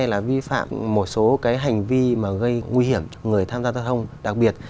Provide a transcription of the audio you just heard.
là vi phạm một số cái hành vi mà gây nguy hiểm người tham gia giao thông đặc biệt